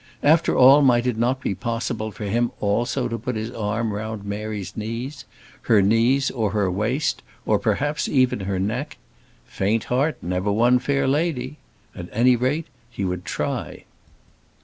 After all, might it not be possible for him also to put his arm round Mary's knees; her knees, or her waist, or, perhaps, even her neck? Faint heart never won fair lady. At any rate, he would try.